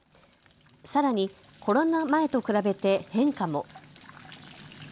さらにコロナ前と比べて変化も。